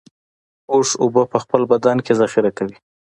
اوښ اوبه په خپل بدن کې ذخیره کوي